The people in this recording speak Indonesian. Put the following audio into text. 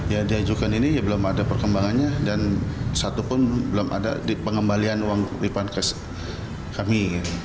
yang diajukan ini belum ada perkembangannya dan satu pun belum ada di pengembalian uang lipankes kami